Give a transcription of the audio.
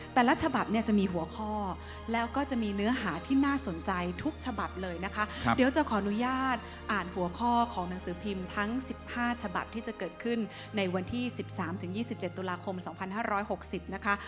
แต่ละฉบับเนี่ยจะมีหัวข้อแล้วก็จะมีเนื้อหาที่น่าสนใจทุกฉบับเลยนะคะเดี๋ยวจะขออนุญาตอ่านหัวข้อของหนังสือพิมพ์ทั้ง๑๕ฉบับที่จะเกิดขึ้นในวันที่๑๓๒๗ตุลาคม๒๕๖๐นะคะ